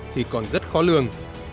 thì còn rất khó lường